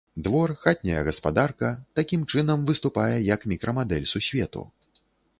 Двор, хатняя гаспадарка, такім чынам, выступае як мікрамадэль сусвету.